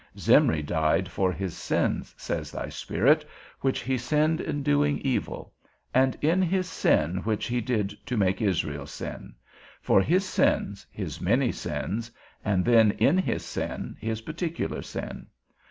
Zimri died for his sins, says thy Spirit, which he sinned in doing evil; and in his sin which he did to make Israel sin; for his sins, his many sins, and then in his sin, his particular sin.